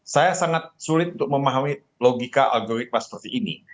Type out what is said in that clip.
saya sangat sulit untuk memahami logika algoritma seperti ini